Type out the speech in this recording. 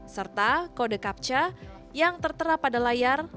serta kode captu yang tertera pada layar